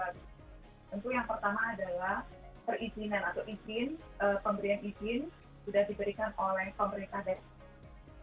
tentu yang pertama adalah perizinan atau izin pemberian izin sudah diberikan oleh pemerintah daerah